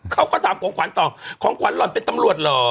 เขาก็ถามของขวัญต่อของขวัญหล่อนเป็นตำรวจเหรอ